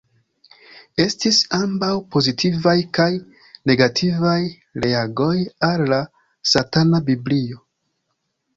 Estis ambaŭ pozitivaj kaj negativaj reagoj al "La Satana Biblio.